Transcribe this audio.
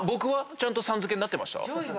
ちゃんと「さん」付けになってました？